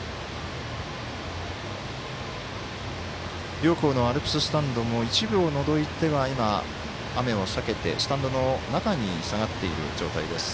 両校のアルプススタンドも一部を除いては今、雨を避けてスタンドの中に下がっている状況です。